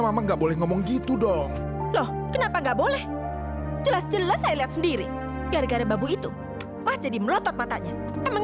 sampai jumpa di video selanjutnya